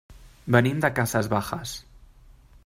Venim de Casas Bajas.